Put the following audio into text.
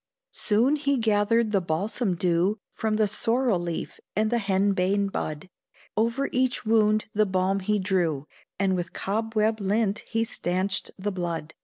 Soon he gathered the balsam dew From the sorrel leaf and the henbane bud; Over each wound the balm he drew, And with cobweb lint he stanched the blood.